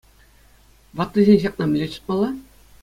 Ваттисен ҫакна мӗнле чӑтмалла?